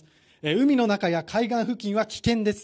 海の中や海岸付近は危険です。